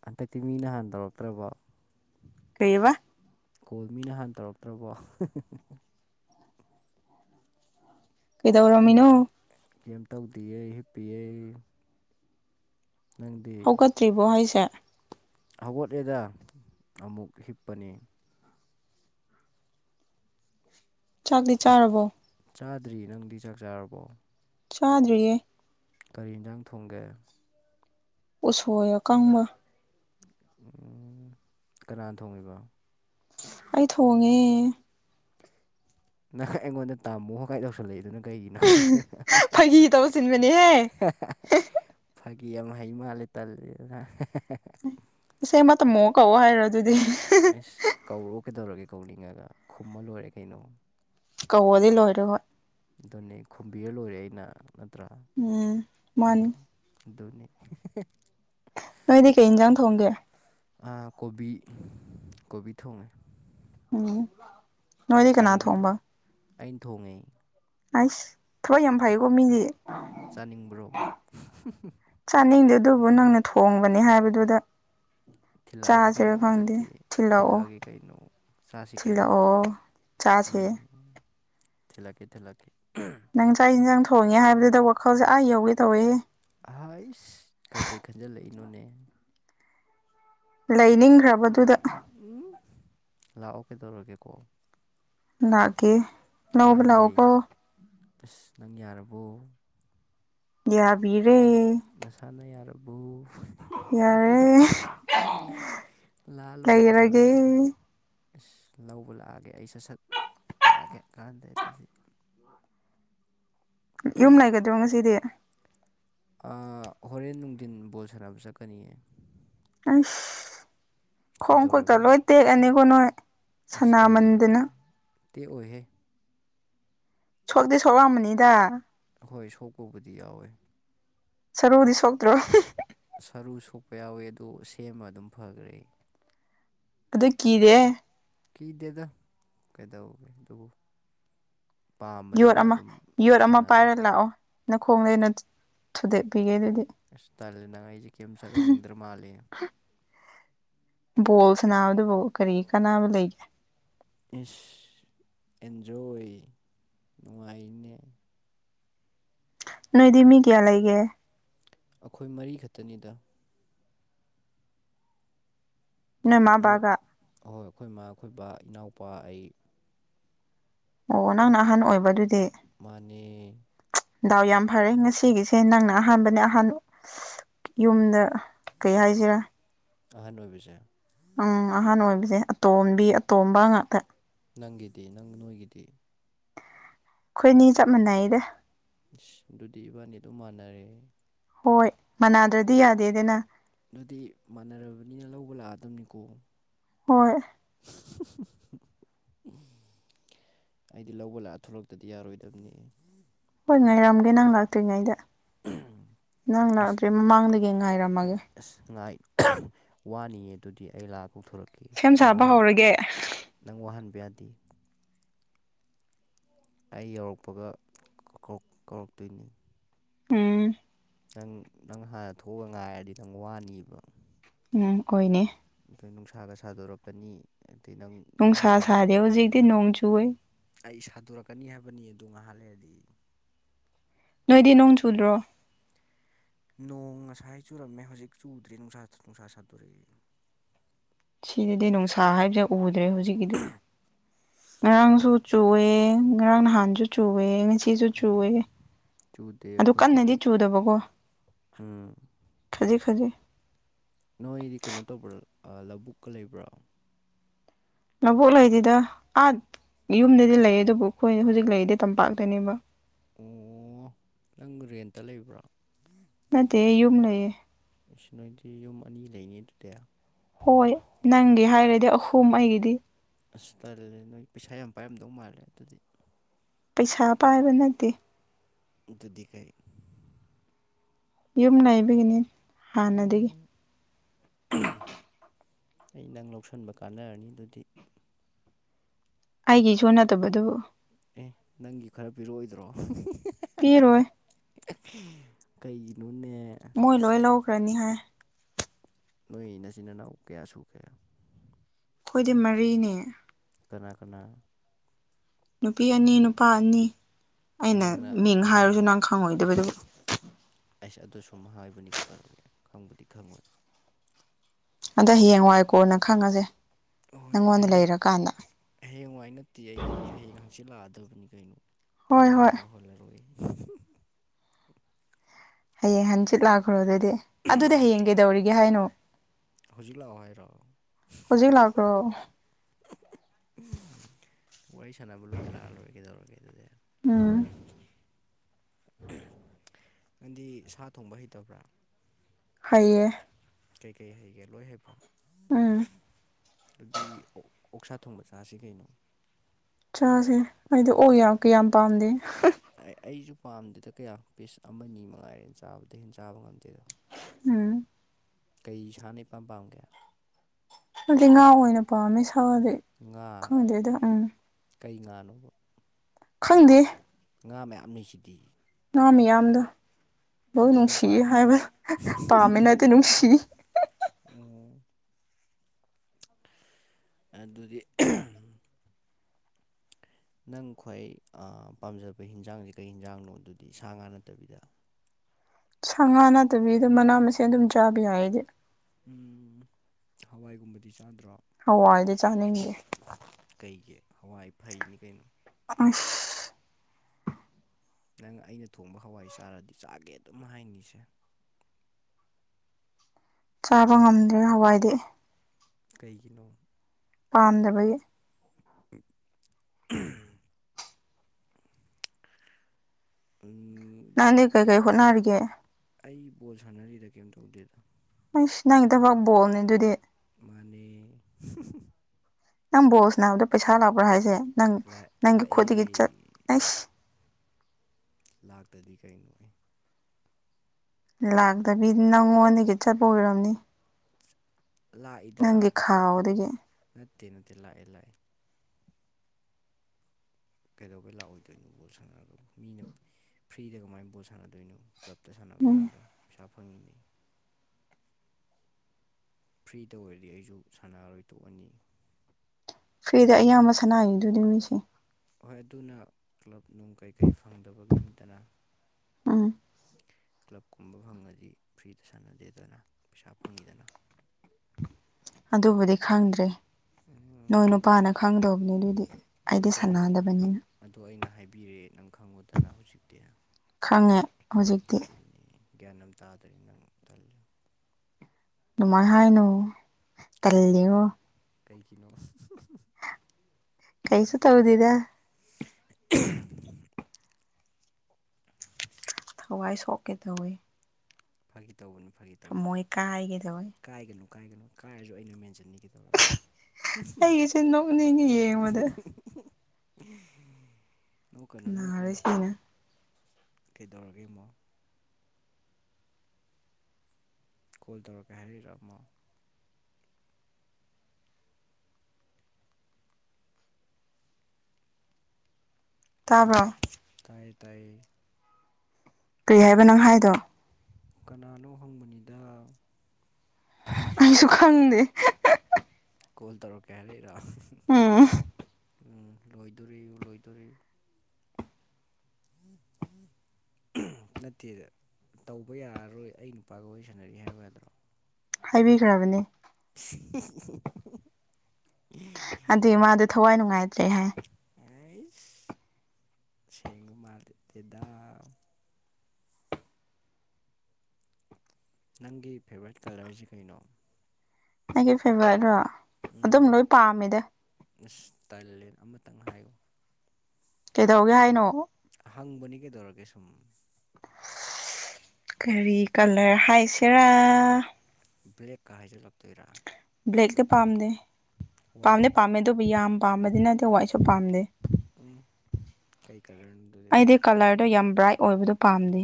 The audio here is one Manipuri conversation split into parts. ꯍꯟꯗꯛꯇꯤ ꯃꯤꯅ ꯍꯥꯟꯅ ꯇꯧꯔꯛꯇ꯭ꯔꯕꯣ ꯀꯩꯕ ꯀꯣꯜ ꯃꯤꯅ ꯍꯥꯟ ꯇꯧꯔꯛꯇ꯭ꯔꯕꯣ ꯃꯤ ꯀꯩꯗꯧꯔꯝꯃꯤꯅꯣ ꯀꯦꯝ ꯇꯧꯗꯦꯌꯦ ꯍꯤꯞꯄꯤꯌꯦ ꯅꯪꯗꯤ ꯇꯔꯤꯕꯣ ꯍꯥꯏꯁꯦ ꯍꯧꯒꯠꯂꯦꯗ ꯑꯃꯨꯛ ꯍꯤꯞꯄꯅꯦ ꯆꯥꯛꯇꯤ ꯆꯥꯔꯕꯣ ꯆꯥꯗ꯭ꯔꯤ ꯅꯪꯗꯤ ꯆꯥꯛ ꯆꯥꯔꯕꯣ ꯆꯥꯗꯔꯤꯌꯦ ꯀꯔꯤ ꯌꯦꯟꯖꯥꯡ ꯊꯣꯡꯒꯦ ꯎꯁꯣꯢ ꯑꯀꯪꯕ ꯑꯣ ꯀꯅꯥꯅ ꯊꯣꯡꯉꯤꯕ ꯑꯩ ꯊꯣꯡꯉꯦ ꯅꯪ ꯑꯩꯉꯣꯟꯗ ꯇꯥꯝꯃꯨ ꯀꯥꯢ ꯇꯧꯁꯜꯂꯛꯢꯗꯨꯅ ꯀꯩꯒꯤꯅꯣ ꯐꯥꯒꯤ ꯇꯧꯁꯤꯟꯕꯅꯦꯍꯦ ꯐꯥꯒꯤ ꯌꯝ ꯍꯩ ꯃꯥꯜꯂꯦ ꯇꯜꯂꯦ ꯁꯤꯦꯃ ꯃꯣ ꯀꯧ ꯍꯥꯏꯔ [inaudible] ꯑꯦꯁ ꯀꯧꯔꯎ ꯀꯩꯗꯧꯔꯒꯦ ꯀꯧꯅꯤꯡꯉꯒ ꯈꯨꯝꯃ ꯂꯣꯏꯔꯦ ꯀꯩꯅꯣ ꯀꯧꯔꯗꯤ ꯂꯣꯏꯔꯦ ꯍꯣꯏ ꯑꯗꯨꯅꯦ ꯈꯨꯝꯕꯤꯔ ꯂꯣꯏꯔꯦ ꯑꯩꯅ ꯅꯠꯇ꯭ꯔꯥ ꯎꯝ ꯎꯝ ꯃꯥꯅꯤ ꯑꯗꯨꯅꯦ ꯅꯣꯏꯗꯤ ꯀꯩ ꯏꯟꯖꯥꯡ ꯊꯣꯡꯒꯦ ꯀꯣꯕꯤ ꯀꯣꯕꯤ ꯊꯣꯡꯉꯦ ꯎꯝ ꯅꯣꯏꯗꯤ ꯀꯅꯥ ꯆꯥꯅꯤꯡꯕ꯭ꯔꯣ ꯊꯣꯡꯕ ꯑꯩꯅ ꯊꯣꯡꯉꯦ ꯑꯁ ꯊꯕꯛ ꯌꯥꯝ ꯆ- ꯐꯩꯒꯣ ꯃꯤꯗꯤ ꯆꯥꯅꯤꯡꯕ꯭ꯔꯣ ꯆꯥꯅꯤꯡꯗꯦ ꯑꯗꯨꯕꯨ ꯅꯪꯅ ꯊꯣꯡꯕꯅꯤ ꯍꯥꯏꯕꯗꯨꯗ ꯊꯤꯜꯂꯛꯑꯒꯦ ꯆꯥꯁꯤꯔ ꯀꯩꯅꯣ ꯈꯪꯗꯦ ꯑꯗꯨꯗꯤ ꯊꯤꯜꯂꯛꯑꯣ ꯊꯤꯜꯂꯛꯑꯒꯦ ꯀꯩꯅꯣ ꯆꯁꯤ ꯀꯩꯅꯣ ꯊꯤꯜꯂꯛꯑꯣ ꯆꯥꯁꯦ ꯊꯤꯂꯛꯀꯦ ꯊꯤꯂꯛꯀꯤꯦ ꯅꯪ ꯆꯥꯛ ꯌꯦꯟꯁꯥꯡ ꯊꯣꯡꯉꯦ ꯍꯥꯏꯕꯗꯨꯗ ꯋꯥꯈꯜꯁꯦ ꯑꯥ ꯌꯧꯒꯦ ꯇꯧꯋꯦ ꯑꯥꯏꯁ ꯀꯩꯀꯩ ꯈꯟꯖꯤꯜꯂꯛꯏꯅꯣꯅꯦ ꯂꯩꯅꯤꯡꯈ꯭ꯔꯕꯗꯨꯗ ꯎꯝ ꯂꯥꯛꯑꯣ ꯀꯩꯗꯧꯔꯒꯦꯀꯣꯛ ꯂꯛꯒꯦ ꯂꯥꯎꯕ ꯂꯩꯐꯝ ꯂꯩ ꯂꯥꯛꯎꯒꯣ ꯑꯁ ꯅꯪ ꯌꯥꯔꯕꯣ ꯌꯥꯕꯤꯔꯦ ꯅꯁꯥꯅ ꯌꯥꯔꯕꯣ ꯌꯥꯔꯦ ꯂꯩꯔꯒꯦ ꯏꯁ ꯂꯧꯕ ꯂꯥꯛꯑꯒꯦ ꯑꯩ ꯁꯠ ꯁꯠ ꯂꯥꯛꯑꯒꯦ ꯀꯥꯟꯗꯦ ꯑꯗꯨꯗꯤ ꯌꯨꯝ ꯂꯩꯒꯗ꯭ꯔꯣ ꯉꯁꯤꯗꯤ ꯍꯣꯔꯦꯟ ꯅꯨꯡꯊꯤꯟ ꯕꯣꯜ ꯁꯥꯟꯅꯕ ꯆꯠꯀꯅꯤꯌꯦ ꯑꯩꯁ ꯈꯣꯡ ꯈꯨꯛꯒ ꯀꯩꯗꯧꯔꯒꯦ ꯂꯣꯏ ꯇꯦꯛꯑꯅꯤꯀꯣ ꯅꯣꯏ ꯁꯅꯥꯃꯟꯗꯅ ꯇꯦꯛ ꯑꯣꯏꯍꯦ ꯁꯣꯛꯗꯤ ꯁꯣꯛ ꯂꯝꯅꯤꯗ ꯍꯣꯏ ꯁꯣꯛꯄꯕꯨꯗꯤ ꯌꯥꯎꯋꯤ ꯁꯔꯨꯗꯤ ꯁꯣꯛꯇ꯭ꯔꯣ ꯁꯔꯨ ꯁꯣꯛꯄ ꯌꯥꯎꯋꯤ ꯑꯗꯨ ꯁꯦꯝꯃ ꯑꯗꯨꯝ ꯐꯈ꯭ꯔꯦ ꯑꯩ ꯑꯗꯨ ꯀꯤꯗꯦꯌꯦ ꯀꯤꯗꯦꯗ ꯀꯩꯗꯧꯒꯦ ꯑꯗꯨꯕꯨ ꯌꯣꯠ ꯄꯥꯝꯕꯅꯤꯅ ꯑꯃ ꯑꯗꯨꯝ ꯌꯣꯠ ꯑꯃ ꯁꯥꯟꯅꯔꯦ ꯄꯥꯏꯔ ꯂꯥꯛꯑꯣ ꯅꯈꯣꯡꯗꯣ ꯊꯨꯗꯦꯠꯄꯤꯒꯦ ꯑꯗꯨꯗꯤ ꯑꯁ ꯇꯜꯂꯦꯅꯪ ꯑꯩꯁꯦ ꯀꯦꯝ ꯆꯠꯍꯟꯅꯤꯡꯗ꯭ꯔ ꯃꯥꯜꯂꯦ ꯕꯣꯜ ꯁꯅꯥꯕꯗꯨꯕꯨ ꯀꯔꯤ ꯀꯥꯟꯅꯕ ꯂꯩꯒꯦ ꯏꯁ ꯑꯦꯟꯖꯣꯏ ꯅꯨꯡꯉꯥꯏꯅꯦ ꯅꯣꯏꯗꯤ ꯃꯤ ꯀꯌꯥ ꯂꯩꯒꯦ ꯑꯩꯈꯣꯏ ꯃꯔꯤꯈꯛꯇꯅꯤꯗ ꯅꯣꯢꯃꯥ ꯅꯣꯏ ꯄꯥꯒ ꯑꯍꯣꯏ ꯑꯩꯈꯣꯏ ꯏꯃꯥ ꯑꯩꯈꯣꯏꯕꯕꯥ ꯏꯅꯥꯎꯄꯥ ꯑꯩ ꯑꯣ ꯅꯪꯅ ꯑꯍꯟ ꯑꯣꯏꯕꯗꯨꯗꯤ ꯃꯥꯅꯦ ꯗꯥꯎ ꯌꯥꯝ ꯐꯔꯦ ꯉꯁꯤꯒꯤꯁꯦ ꯅꯪꯅ ꯑꯍꯥꯟꯕꯅꯦ ꯑꯍꯥꯟ ꯌꯨꯝꯗ ꯀꯩ ꯍꯥꯏꯁꯤꯔꯥ ꯑꯍꯟ ꯑꯣꯏꯕꯁꯦ ꯎꯝ ꯑꯍꯥꯟ ꯑꯣꯏꯕꯁꯦ ꯑꯇꯣꯝꯕꯤ ꯑꯇꯣꯝꯕ ꯉꯥꯛꯇ ꯅꯪꯒꯤꯗꯤ ꯅꯪ ꯅꯣꯏꯒꯤꯗꯤ ꯑꯩꯈꯣꯏꯅꯤ ꯆꯞ ꯃꯥꯟꯅꯩꯗ ꯑꯁ ꯑꯗꯨꯗꯤ ꯏꯕꯥꯅꯤ ꯑꯗꯨꯝ ꯃꯥꯟꯅꯔꯦ ꯍꯣꯏ ꯃꯅꯥꯗ꯭ꯔꯗꯤ ꯌꯥꯗꯦꯗꯅ ꯑꯗꯨꯗꯤ ꯃꯥꯟꯅꯔꯕꯅꯤꯅ ꯂꯧꯕ ꯂꯥꯛꯑꯗꯝꯅꯤꯀꯣ ꯍꯣꯏ [inaudible] ꯑꯩꯗꯤ ꯂꯧꯕ ꯂꯥꯛꯑ ꯊꯣꯛꯂꯛꯇꯗꯤ ꯌꯥꯔꯣꯏꯗꯕꯅꯦ ꯍꯣꯏ ꯉꯥꯏꯔꯝꯒꯦ ꯅꯪ ꯂꯥꯛꯇ꯭ꯔꯤꯉꯩꯗ ꯅꯪ ꯑꯦꯁ ꯂꯥꯛꯇ꯭ꯔꯦ ꯃꯃꯥꯡꯗꯒꯤ ꯉꯥꯏꯔꯝꯃꯒꯦ ꯑꯁ ꯉꯥꯏ ꯋꯥꯅꯤꯑꯦ ꯑꯗꯨꯗꯤ ꯑꯩ ꯂꯥꯛꯑ ꯀꯧꯊꯣꯔꯛꯀꯦ ꯁꯦꯝ ꯅꯪ ꯁꯥꯕ ꯋꯥꯅꯤ ꯍꯧꯔꯒꯦ ꯅꯪ ꯋꯥꯍꯟꯕ ꯌꯥꯗꯦ ꯑꯩ ꯌꯧꯔꯛꯄꯒ ꯀꯧꯔꯛꯇꯣꯏꯅꯤ ꯎꯝ ꯅꯪ ꯅꯪ ꯍꯥꯟꯅ ꯊꯣꯛꯑꯒ ꯉꯥꯏꯔꯗꯤ ꯅꯪ ꯋꯥꯅꯤꯕ ꯎꯝ ꯍꯣꯏꯅꯦ ꯑꯗ ꯅꯨꯡꯁꯥꯒ ꯁꯥꯗꯣꯔꯛꯀꯅꯤ ꯑꯗꯩ ꯅꯪ ꯅꯨꯡꯁꯥ ꯃꯨꯁꯟ ꯁꯥꯗꯦ ꯍꯧꯖꯤꯛꯇꯤ ꯅꯣꯡ ꯆꯨ ꯑꯩ ꯁꯥꯗꯣꯔꯛꯀꯅꯤ ꯍꯥꯏꯕꯅꯤ ꯑꯗꯨ ꯉꯍꯥꯛ ꯂꯩꯔꯗꯤ ꯅꯣꯏꯗꯤ ꯅꯣꯡ ꯆꯨꯗ꯭ꯔꯣ ꯅꯣꯡ ꯉꯁꯥꯏ ꯆꯨꯔꯝꯃꯦ ꯍꯧꯖꯤꯛ ꯆꯨꯗꯔꯦ ꯅꯨꯡꯁꯥ ꯅꯨꯡꯁꯥ ꯁꯥꯠꯇꯣꯔꯛꯌꯦ ꯁꯤꯗꯗꯤ ꯅꯨꯡꯁꯥ ꯍꯥꯏꯕꯁꯦ ꯎꯗ꯭ꯔꯦ ꯍꯧꯖꯤꯛꯀꯤꯗꯤ ꯉꯔꯥꯡꯁꯨ ꯆꯨꯑꯦ ꯉꯔꯥꯡ ꯅꯍꯥꯟꯁꯨ ꯆꯨꯋꯦ ꯉ ꯀꯤꯁꯨ ꯆꯨꯋꯦ ꯆꯨꯗꯦ ꯑꯗꯨ ꯀꯟꯅꯗꯤ ꯑꯩꯈꯣꯏꯗꯗꯤ ꯆꯨꯗꯕꯀꯣ ꯎꯝ ꯈꯖꯤꯛ ꯈꯖꯤꯛ ꯅꯣꯏꯗꯤ ꯀꯩꯅꯣ ꯇꯧꯕ꯭ꯔ ꯂꯧꯕꯨꯛꯀ ꯂꯩꯕ꯭ꯔꯥ ꯂꯕꯣꯛ ꯂꯩꯁꯤꯗ ꯑꯥ ꯌꯨꯝꯗꯗꯤ ꯂꯩꯌꯦ ꯑꯗꯨꯕꯨ ꯑꯩꯈꯣꯏ ꯍꯧꯖꯤꯛ ꯂꯩꯔꯤꯗꯤ ꯇꯝꯄꯥꯛꯇꯅꯦꯕ ꯑꯣ ꯅꯪ ꯔꯦꯟꯇ ꯂꯩꯕ꯭ꯔꯣ ꯅꯠꯇꯦ ꯌꯨꯝ ꯂꯩꯌꯦ ꯅꯣꯏꯗꯤ ꯌꯨꯝ ꯑꯅꯤ ꯂꯩꯅꯦ ꯑꯗꯨꯗꯤ ꯍꯣꯏ ꯅꯪꯒꯤ ꯍꯥꯏꯔꯗꯤ ꯑꯍꯨꯝ ꯑꯩꯒꯤꯗꯤ ꯑꯁ ꯇꯜꯂꯦ ꯅꯣꯏ ꯄꯩꯁꯥ ꯌꯥꯝ ꯄꯔꯝꯗꯧ ꯃꯥꯜꯂꯦ ꯑꯗꯨꯗꯤ ꯄꯩꯁꯥ ꯄꯥꯏꯕ ꯅꯠꯇꯦ ꯑꯗꯨꯗꯤ ꯀꯩ ꯌꯨꯝ ꯂꯩꯕꯒꯤꯅꯤ ꯍꯥꯟꯅꯗꯒꯤ ꯑꯣ ꯑꯩ ꯅꯪ ꯂꯧꯁꯟꯕ ꯀꯥꯟꯅꯔꯅꯤ ꯑꯗꯨꯗꯤ ꯑꯩꯒꯤꯁꯨ ꯅꯠꯇꯕꯗꯨꯕꯨ ꯑꯦ ꯅꯪꯒꯤ ꯈꯔ ꯄꯤꯔꯛꯑꯣꯏꯗ꯭ꯔꯣ ꯄꯤꯔꯣꯏ ꯀꯩꯒꯤꯅꯣꯅꯦ ꯃꯣꯏ ꯂꯣꯏ ꯂꯧꯈ꯭ꯔꯅꯤ ꯍꯥꯏ ꯅꯣꯏ ꯏꯆꯤꯟ ꯏꯅꯥꯎ ꯀꯌꯥ ꯁꯨꯒꯦ ꯑꯩꯈꯣꯏꯗꯤ ꯃꯔꯤꯅꯦ ꯀꯅꯥ ꯀꯅꯥ ꯅꯨꯄꯤ ꯑꯅꯤ ꯅꯨꯄꯥ ꯑꯅꯤ ꯑꯩꯅ ꯅꯪꯅ ꯃꯤꯡ ꯍꯥꯏꯔꯁꯨ ꯑꯍꯟ ꯅꯪ ꯈꯪꯉꯣꯏꯗꯕꯗꯨꯕꯨ ꯑꯩꯁ ꯑꯗꯨ ꯁꯨꯝ ꯍꯥꯏꯕꯅꯤ ꯀꯩꯗꯧꯔꯒꯦ ꯈꯪꯕꯨꯗꯤ ꯈꯪꯉꯣꯏ ꯑꯗꯢ ꯍꯌꯦꯡꯋꯥꯏ ꯀꯣꯅ ꯈꯪꯉꯁꯦ ꯍꯣꯏ ꯍ ꯅꯪꯉꯣꯟꯗ ꯂꯩꯔꯀꯥꯟꯗ ꯍꯌꯦꯡꯋꯥꯏ ꯅꯠꯇꯦ ꯑꯩꯗꯤ ꯍꯌꯦꯡ ꯍꯪꯆꯤꯜꯂꯛꯑꯗꯕꯅꯤ ꯀꯩꯅꯣ ꯍꯣꯏ ꯍꯌꯦꯡꯋꯥꯏ ꯍꯣꯏ ꯌꯧꯍꯜꯂꯔꯣꯏ ꯍꯌꯦꯡ ꯍꯟꯆꯤꯠ ꯂꯥꯛꯈ꯭ꯔꯣ ꯑꯗꯨꯗꯤ ꯑꯗꯨꯗꯤ ꯍꯌꯦꯡ ꯀꯩꯗꯧꯔꯤꯒꯦ ꯍꯥꯏꯅꯣ ꯍꯧꯖꯤꯛ ꯂꯥꯛꯑꯣ ꯍꯥꯏꯔꯣ ꯍꯧꯖꯤꯛ ꯂꯥꯛꯈꯔꯣ ꯋꯥꯔꯤ ꯁꯥꯟꯅꯕ ꯂꯣꯏꯔ ꯂꯥꯛꯑ ꯂꯣꯏꯔꯦ ꯀꯩꯗꯧꯔꯒꯦ ꯑꯗꯨꯗꯤ ꯎꯝ ꯅꯪꯗꯤ ꯁꯥ ꯊꯣꯡꯕ ꯍꯩꯇꯕ꯭ꯔꯥ ꯍꯩꯌꯦ ꯀꯩꯀꯩ ꯍꯩꯒꯦ ꯂꯣꯏ ꯍꯩꯕ꯭ꯔꯥ ꯎꯝ ꯑꯗꯨꯗꯤ ꯑꯣ ꯑꯣꯛꯁꯥ ꯊꯣꯡꯕ ꯆꯥꯁꯤ ꯀꯩꯅꯣ ꯆꯥꯁꯦ ꯑꯩꯗꯤ ꯑꯣꯛ ꯀꯌꯥ ꯌꯥꯝ ꯄꯥꯝꯗꯦ ꯑꯩ ꯑꯩꯁꯨ ꯄꯥꯝꯗꯦꯗ ꯀꯌꯥ ꯄꯤꯁ ꯑꯃꯅꯤ ꯃꯉꯥꯏꯔꯦꯅ ꯆꯥꯕꯗ ꯍꯦꯟꯅ ꯆꯥꯕ ꯉꯝꯗꯦꯗꯅ ꯎꯝ ꯀꯩ ꯁꯥꯅ ꯏꯄꯥꯝ ꯄꯥꯝꯒꯦ ꯑꯩꯗꯤ ꯉꯥ ꯑꯣꯏꯅ ꯄꯥꯝꯃꯦ ꯁꯥꯗꯤ ꯉꯥ ꯈꯪꯗꯦꯗ ꯎꯝ ꯀꯩ ꯉꯥꯅꯣꯕ ꯈꯪꯗꯦ ꯉꯥ ꯃꯌꯥꯝ ꯂꯩꯁꯤꯗꯤ ꯃꯤꯌꯥꯝꯗꯣ ꯂꯣꯢ ꯂꯣꯏꯅꯃꯛ ꯅꯨꯡꯁꯤꯌꯦ ꯄꯥꯝꯃꯦ ꯍꯥꯏꯕ ꯄꯥꯝꯃꯤ ꯅꯠꯇꯦ ꯅꯨꯡꯁꯤ ꯎꯝ ꯑꯗꯨꯗꯤ ꯅꯪ ꯈ꯭ꯋꯥꯏ ꯄꯥꯝꯖꯕ ꯍꯟꯖꯥꯡꯁꯦ ꯀꯩ ꯍꯟꯖꯥꯡꯅꯣ ꯑꯗꯨꯗꯤ ꯁꯥ ꯉꯥ ꯅꯠꯇꯕꯤꯗ ꯁꯥ ꯉꯥ ꯅꯠꯇꯕꯤꯗ ꯃꯅꯥ ꯃꯁꯤꯟ ꯑꯗꯨꯝ ꯆꯥꯕ ꯌꯥꯏ ꯑꯩꯗꯤ ꯍꯋꯥꯏꯒꯨꯝꯕꯗꯤ ꯆꯥꯗ꯭ꯔꯣ ꯍꯋꯥꯏꯗꯤ ꯆꯥꯅꯤꯡꯗꯦ ꯀꯩꯒꯤ ꯍꯋꯥꯏ ꯐꯩꯅꯤ ꯀꯩꯅꯣ ꯑꯁ ꯅꯪ ꯑꯩꯅ ꯊꯣꯡꯕ ꯍꯋꯥꯏ ꯆꯥꯔꯗꯤ ꯆꯥꯒꯦ ꯑꯗꯨꯝ ꯍꯥꯏꯅꯤꯁꯦ ꯆꯥꯕ ꯉꯝꯗꯦ ꯍꯋꯥꯏꯗꯤ ꯀꯩꯒꯤꯅꯣ ꯄꯥꯝꯗꯕꯒꯤ [inaudible] ꯎꯝ ꯅꯪꯗꯤ ꯑꯗꯨꯗꯤ ꯀꯩꯀꯩ ꯍꯣꯠꯅꯔꯤꯒꯦ ꯑꯩ ꯕꯣꯜ ꯁꯥꯟꯅꯔꯤꯗ ꯀꯩꯝ ꯇꯧꯗꯦꯗ ꯑꯁ ꯅꯪꯒꯤ ꯊꯕꯛ ꯕꯣꯜꯅꯤ ꯑꯗꯨꯗꯤ ꯃꯥꯅꯦ ꯅꯪ ꯕꯣꯜ ꯁꯅꯥꯕꯗꯣ ꯄꯩꯁꯥ ꯂꯥꯛꯄ꯭ꯔꯥ ꯍꯥꯏꯁꯦ ꯅꯪ ꯅꯪꯒꯤ ꯂꯥꯛꯑꯦ ꯈꯨꯠꯇꯒꯤ ꯆꯠꯁ ꯂꯥꯛꯇꯗꯤ ꯀꯩꯅꯣ ꯂꯥꯛꯇꯕꯤ ꯅꯪꯉꯣꯟꯗꯒꯤ ꯆꯠꯄ ꯑꯣꯏꯔꯝꯅꯤ ꯂꯥꯛꯏꯗ ꯅꯪꯒꯤ ꯈꯥꯎꯗꯒꯤ ꯅꯠꯇꯦ ꯅꯠꯇꯦ ꯂꯥꯛꯑꯦ ꯂꯥꯛꯑꯦ ꯀꯩꯗꯧꯕꯩ ꯂꯥꯛꯑꯣꯏꯗꯣꯏꯅꯣ ꯕꯣꯜ ꯁꯥꯟꯅꯔꯒ ꯃꯤꯅ ꯐ꯭ꯔꯤꯗ ꯀꯃꯥꯏꯅ ꯕꯣꯜ ꯁꯥꯟꯅꯗꯣꯏꯅꯣ ꯀ꯭ꯂꯕ ꯇ ꯁꯥꯟꯅꯕ ꯎꯝ ꯀꯥꯟꯗ ꯄꯩꯁꯥ ꯐꯪꯉꯤꯅꯦ ꯐ꯭ꯔꯤꯗ ꯑꯣꯏꯔꯗꯤ ꯑꯩꯁꯨ ꯁꯥꯟꯅꯔꯣꯏ ꯇꯣꯛꯑꯅꯤ ꯐ꯭ꯔꯤꯗ ꯑꯌꯥꯝꯕ ꯁꯅꯥꯔꯤꯗꯨꯗꯤ ꯃꯤꯁꯦ ꯍꯣꯏ ꯑꯗꯨꯅ ꯀ꯭ꯂꯕ ꯅꯨꯡ ꯀꯩꯀꯩ ꯐꯪꯗꯕꯒꯤꯅꯤꯗꯅ ꯎꯝ ꯀ꯭ꯂꯕꯀꯨꯝꯕ ꯐꯪꯉꯗꯤ ꯐ꯭ꯔꯤꯗ ꯁꯥꯟꯅꯗꯦꯗꯅ ꯄꯩꯁꯥ ꯐꯪꯉꯤꯗꯅ ꯑꯗꯨꯕꯨꯗꯤ ꯈꯪꯗ꯭ꯔꯦ ꯎꯝ ꯅꯣꯏ ꯅꯨꯄꯥꯅ ꯈꯪꯗꯧꯕꯅꯦ ꯑꯗꯨꯗꯤ ꯑꯩꯗꯤ ꯑꯗꯣ ꯑꯩ ꯁꯥꯟꯅꯗꯕꯅꯤꯅ ꯑꯗꯣ ꯑꯩꯅ ꯍꯥꯏꯕꯤꯔꯦ ꯅꯪ ꯈꯪꯉꯣꯗꯅ ꯍꯧꯖꯤꯛꯇꯤ ꯈꯪꯉꯦ ꯍꯧꯖꯤꯛꯇꯤ ꯑꯗꯨꯅꯦ ꯒ꯭ꯌꯥꯟ ꯑꯃ ꯇꯥꯗ꯭ꯔꯦ ꯅꯪ ꯇꯜꯂꯤ ꯑꯗꯨꯃꯥꯏ ꯍꯥꯏꯅꯨ ꯀꯩꯒꯤꯅꯣ ꯇꯜꯂꯤꯉꯣ ꯀꯩꯒꯤꯅꯣ ꯀꯩꯁꯨ ꯇꯧꯗꯦꯗꯥ ꯊꯋꯥꯏ ꯁꯣꯛꯀꯦ ꯇꯧꯋꯤ ꯐꯥꯒꯤ ꯇꯧꯕꯅꯤ ꯐꯥ ꯊꯃꯣꯏ ꯀꯥꯏꯒꯦ ꯇꯧꯋꯤ ꯀꯥꯏꯒꯅꯨ ꯀꯥꯏꯒꯅꯨ ꯀꯥꯏꯔꯁꯨ ꯑꯩꯅ ꯃꯦꯟꯁꯤꯟꯒꯅꯤ ꯀꯩꯇꯧꯔꯒꯦ ꯎ ꯑꯩꯒꯤꯁꯦ ꯅꯣꯛꯅꯤꯡꯉꯤ ꯌꯦꯡꯕꯗ [inaudible] ꯅꯣꯛꯀꯥꯅꯨ ꯀꯅꯥꯔ ꯅꯣꯛꯀꯅꯨ ꯁꯤꯅ ꯀꯩꯗꯧꯔꯒꯦ ꯑꯃꯨꯛ ꯀꯣꯜ ꯇꯧꯔꯛꯀꯦ ꯍꯥꯏꯔꯛꯢꯔꯢ ꯑꯃꯨꯛ ꯇꯥꯕ꯭ꯔꯥ ꯇꯥꯢꯌꯦ ꯇꯥꯏꯌꯦ ꯀꯩ ꯍꯥꯏꯕ ꯅꯪ ꯍꯥꯏꯗꯣ ꯀꯅꯥꯅꯣ ꯍꯪꯕꯅꯤꯗ ꯑꯩꯁꯨ ꯈꯪꯗꯦ ꯀꯣꯜ ꯇꯧꯔꯛꯀꯦ ꯍꯥꯏꯔꯛꯏꯔꯣ ꯎꯝ ꯎꯝ ꯂꯣꯏꯗꯣꯔꯤꯎ ꯂꯣꯏꯗꯣꯔꯤꯎ ꯎꯝ ꯎꯝ [inaudible] ꯅꯠꯇꯦꯗ ꯇꯧꯕ ꯌꯥꯔꯔꯣꯏ ꯑꯩ ꯅꯨꯄꯥꯒ ꯋꯥꯔꯤ ꯁꯥꯟꯅꯔꯤ ꯍꯥꯏꯕ ꯌꯥꯗ꯭ꯔꯣ ꯍꯥꯏꯕꯤꯈ꯭ꯔꯕꯅꯦ [inaudible] ꯑꯗꯨꯢ ꯃꯥꯗꯣ ꯊꯋꯥꯏ ꯅꯨꯡꯉꯥꯏꯇ꯭ꯔꯦ ꯍꯥꯏ ꯑꯁ ꯁꯦꯡꯕ ꯃꯥꯂꯤꯇꯦꯗ ꯅꯪꯒꯤ ꯐꯦꯕꯣꯔꯥꯏꯠ ꯀꯂꯔꯁꯤ ꯀꯩꯅꯣ ꯑꯩꯒꯤ ꯐꯦꯕꯔꯦꯠ ꯔꯣ ꯎꯝ ꯏꯁ ꯇꯥꯜꯂꯦ ꯑꯃꯇꯪ ꯍꯥꯏꯌꯨ ꯀꯩꯗꯧꯒꯦ ꯍꯥꯏꯅꯣ ꯍꯪꯕꯅꯤ ꯀꯩꯗꯧꯔꯒꯦ ꯁꯨꯝ ꯀꯔꯤ ꯀꯂꯔ ꯍꯥꯏꯁꯤꯔꯥ ꯕ꯭ꯂꯦꯛꯀ ꯍꯥꯏꯖꯤꯜꯂꯛꯇꯣꯏꯔꯥ ꯕ꯭ꯂꯦꯛꯇ ꯄꯥꯝꯗꯦ ꯋꯥꯏꯠ ꯄꯥꯝꯗꯦ ꯄꯥꯝꯃꯦ ꯑꯗꯨꯕꯨ ꯌꯥꯝ ꯄꯥꯝꯕꯗꯤ ꯅꯠꯇꯦ ꯋꯥꯏꯠꯁꯨ ꯄꯥꯝꯗꯦ ꯎꯝ ꯀꯩ ꯀꯂꯔ ꯑꯩꯗꯤ ꯀꯂꯔꯗꯣ ꯌꯥꯝ ꯕ꯭ꯔꯥꯏꯠ ꯑꯣꯏꯕꯗꯣ ꯄꯥꯝꯗꯦ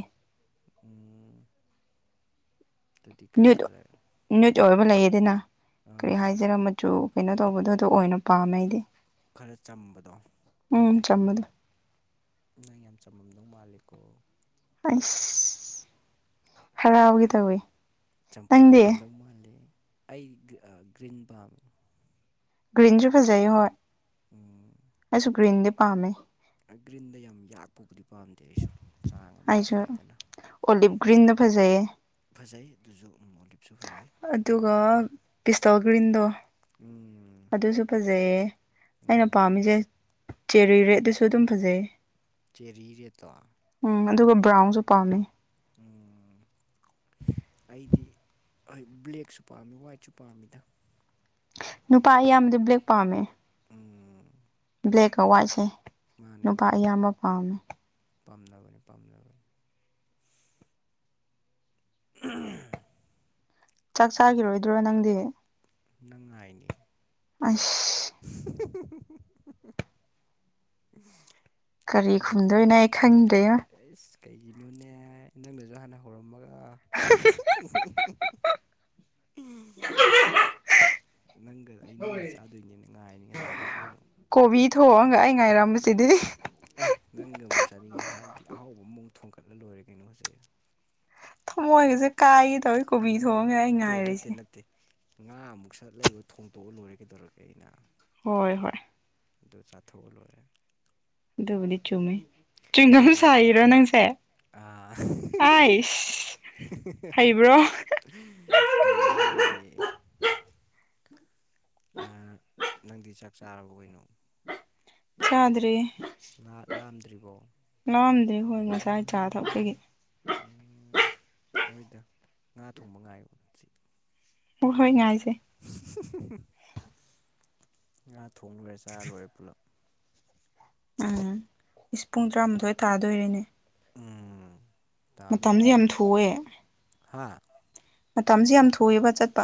ꯎꯝ ꯑꯗꯨꯗꯤ ꯀꯩ ꯀꯂꯔ ꯅꯨꯠ ꯑꯣꯏꯕ ꯂꯩꯌꯦꯗꯅ ꯀꯔꯤ ꯑꯥ ꯍꯥꯏꯖꯔ ꯃꯆꯨ ꯀꯩꯅꯣ ꯇꯧꯕꯗꯣ ꯑꯗꯨ ꯑꯣꯏꯅ ꯄꯥꯝꯃꯦ ꯑꯩꯗꯤ ꯈꯔ ꯆꯝꯕꯗꯣ ꯎꯝ ꯆꯝꯕꯗꯣ ꯅꯪ ꯌꯥꯝ ꯆꯝꯃꯝꯗꯧ ꯃꯥꯂꯦꯀꯣ ꯑꯁ ꯍꯔꯥꯎꯒꯦ ꯇꯧꯋꯤ ꯆꯝꯐꯨꯠ ꯑꯣꯏꯔꯝꯗꯧ ꯃꯥꯜꯂꯤ ꯑꯩ ꯒ꯭ꯔꯤꯟ ꯄꯥꯝꯃꯤ ꯒ꯭ꯔꯤꯟꯁꯨ ꯐꯖꯩ ꯍꯣꯏ ꯎꯝ ꯑꯩꯁꯨ ꯒ꯭ꯔꯤꯟꯗꯤ ꯄꯥꯝꯃꯦ ꯒ꯭ꯔꯤꯟꯗ ꯌꯥꯝ ꯌꯥꯛꯄꯕꯨꯗꯤ ꯄꯥꯝꯗꯦ ꯑꯩꯁꯨ ꯆꯥꯡ ꯑꯃꯗ ꯑꯩꯁꯨ ꯂꯩꯗꯅ ꯑꯣꯂꯤꯞ ꯒ꯭ꯔꯤꯟꯗ ꯐꯖꯩꯌꯦ ꯐꯖꯩ ꯑꯗꯨꯁꯨ ꯎꯝ ꯑꯣꯂꯤꯞꯁꯨ ꯐꯖꯩ ꯑꯗꯨꯒ ꯄꯤꯁꯇ ꯒ꯭ꯔꯤꯟꯗꯣ ꯎꯝ ꯑꯗꯨꯁꯨ ꯐꯖꯩꯌꯦ ꯑꯩꯅ ꯎꯝ ꯄꯥꯝꯃꯤꯁꯦ ꯆꯦꯔꯤ ꯔꯦꯠꯇꯨꯁꯨ ꯑꯗꯨꯝ ꯐꯖꯩꯌꯦ ꯆꯦꯔꯤ ꯔꯦꯠꯇꯣ ꯎꯝ ꯑꯗꯨꯒ ꯕ꯭ꯔꯥꯎꯟꯁꯨ ꯄꯥꯝꯃꯦ ꯎꯝ ꯑꯩꯗꯤ ꯍꯣꯏ ꯕ꯭ꯂꯦꯛꯁꯨ ꯄꯥꯝꯃꯤ ꯋꯥꯏꯠꯁꯨ ꯄꯥꯝꯃꯤꯗ ꯅꯨꯄꯥ ꯑꯌꯥꯝꯕꯗꯤ ꯕ꯭ꯂꯦꯛ ꯄꯥꯝꯃꯦ ꯎꯝ ꯕ꯭ꯂꯦꯛꯀ ꯋꯥꯏꯠꯁꯦ ꯃꯥꯅꯤ ꯅꯨꯄꯥ ꯃꯥꯅꯤ ꯑꯌꯥꯝꯕ ꯄꯥꯝꯃꯦ ꯄꯥꯝꯅꯕꯅꯤ ꯄꯥꯝꯅꯕꯅꯤ ꯑ [unintelligible] ꯆꯥꯛ ꯆꯥꯈꯤꯔꯣꯏꯗ꯭ꯔꯣ ꯅꯪꯗꯤ ꯅꯪ ꯉꯥꯏꯅꯦ ꯑꯁ [unintelligible] ꯎꯝ [unintelligible] ꯀꯔꯤ ꯈꯨꯝꯗꯣꯏꯅꯣ ꯑꯩ ꯈꯪꯗ꯭ꯔꯦꯗ ꯑꯦꯁ ꯀꯩꯒꯤꯅꯣꯅꯦ ꯅꯪꯅꯁꯨ ꯍꯥꯟꯅ ꯍꯧꯔꯝꯃꯒ [unintelligible] ꯅꯪꯒ ꯑꯩ ꯅꯪꯒ ꯆꯥꯗꯣꯏꯅꯤꯅ ꯉꯥꯏꯅꯤ ꯉꯁꯥꯏꯗꯒꯤ ꯑꯩꯗꯣ ꯀꯣꯕꯤ ꯊꯣꯛꯑꯒ ꯑꯩ ꯉꯥꯏꯔꯝꯕ ꯁꯤꯗꯤ ꯑꯦ ꯅꯪꯒꯕꯨ ꯆꯥꯅꯤꯡꯉꯦ ꯍꯥꯏꯔꯗꯤ ꯑꯍꯥꯎꯕ ꯑꯃꯃꯨꯛ ꯊꯣꯡꯒꯠꯂ ꯂꯣꯏꯔꯦ ꯀꯩꯅꯣ ꯍꯧꯖꯤꯛ ꯊꯃꯣꯏꯒꯁꯦ ꯀꯥꯏꯒꯦ ꯇꯧꯏ ꯀꯣꯕꯤ ꯉꯥ ꯊꯣꯡꯉꯒ ꯑꯩ ꯅꯠꯇꯦ ꯅꯠꯇꯦ ꯉꯥꯏꯔꯤꯁꯦ ꯅꯠꯇꯦ ꯉꯥ ꯑꯃꯨꯛ ꯁꯠ ꯂꯩꯔꯨꯔ ꯊꯣꯡꯇꯣꯛꯑ ꯂꯣꯏꯔꯦ ꯀꯩꯗꯧꯔꯛꯒꯦ ꯑꯩꯅ ꯍꯣꯏ ꯍꯣꯏ ꯑꯗꯨ ꯆꯥꯊꯣꯛꯑ ꯂꯣꯏꯔꯦ ꯑꯗꯨꯗꯨꯕꯨꯗꯤ ꯆꯨꯝꯃꯦ ꯆ꯭ꯋꯤꯡꯒꯝ ꯆꯥꯛꯂꯥ ꯁꯥꯏꯔꯣ ꯅꯪꯁꯦ ꯑꯥ ꯑꯥꯏꯁ ꯍꯩꯕ꯭ꯔꯣ ꯍꯩꯌꯦ ꯍꯩꯌꯦ ꯑꯥ ꯅꯪꯗꯤ ꯆꯥꯛ ꯆꯥꯔꯕꯣ ꯀꯩꯅꯣ ꯆꯥꯗ꯭ꯔꯤ ꯂꯥꯝꯗ꯭ꯔꯤꯕꯣ ꯂꯥꯝꯗꯦ ꯍꯣꯏ ꯉꯁꯥꯏ ꯆꯥ ꯊꯛꯄꯒꯤ ꯑꯥ ꯍꯣꯏꯗ ꯉꯥ ꯊꯣꯡꯕ ꯉꯥꯏꯌꯣ ꯁꯤ ꯍ ꯣꯍꯣꯏ ꯉꯥꯏꯖꯦ ꯉꯥ ꯊꯣꯡꯂꯣꯏꯔ ꯆꯥ ꯂꯣꯏꯔ ꯄꯨꯂꯞ ꯎꯝ ꯏꯁ ꯄꯨꯡ ꯇꯔꯥꯃꯥꯊꯣꯏ ꯊꯥꯗꯣꯏꯔꯦꯅꯦ ꯎꯝ ꯇꯥꯗꯣꯔꯤ ꯌꯥꯝ ꯇꯥꯗꯣꯔꯤ ꯊꯨꯑꯦ ꯍꯥ ꯃꯇꯝꯁꯦ ꯌꯥꯝ ꯊꯨꯑꯦꯕ ꯆꯠꯄ